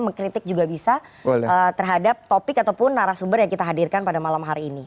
mengkritik juga bisa terhadap topik ataupun narasumber yang kita hadirkan pada malam hari ini